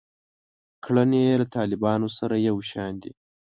کړنې یې له طالبانو سره یو شان دي.